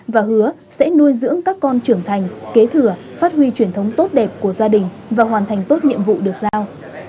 và hứa sẽ nuôi dưỡng các con trưởng thành kế thừa phát huy truyền thống tốt đẹp của gia đình và hoàn thành tốt nhiệm vụ được giao